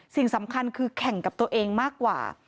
สิ่งสำคัญคือแข่งกับตัวเองมากกว่า